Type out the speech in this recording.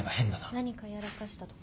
何かやらかしたとか？